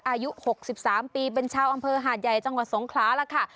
อายุ๖๓ปีเป็นชาวอำเภอหาดใหญ่จังหวัดสงขลาล่ะค่ะ